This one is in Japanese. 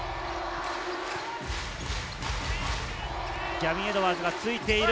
ギャビン・エドワーズがついている。